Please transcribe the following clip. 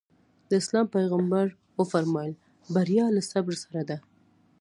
د اسلام پيغمبر ص وفرمايل بريا له صبر سره ده.